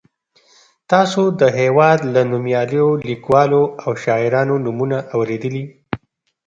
تاسو د هېواد له نومیالیو لیکوالو او شاعرانو نومونه اورېدلي.